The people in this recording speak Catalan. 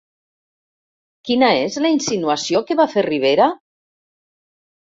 Quina és la insinuació que va fer Rivera?